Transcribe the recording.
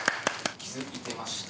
気づいていました？